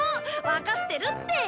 わかってるって。